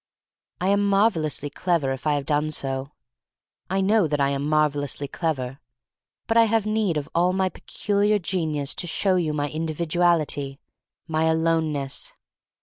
I am marvelously clever if I have done so. I know that I am marvelously clever. But I have need of all my peculiar genius to show you my individuality — my aloneness.